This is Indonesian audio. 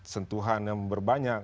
sentuhan yang berbanyak